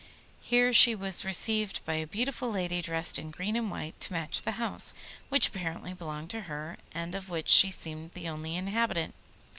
Here she was received by a beautiful lady dressed in green and white to match the house, which apparently belonged to her, and of which she seemed the only inhabitant.